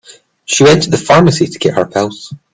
She went to the pharmacy to get her pills.